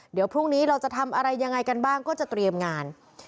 เดี๋ยวพรุ่งนี้เราจะทำอะไรยังไงกันบ้างก็จะเตรียมงาน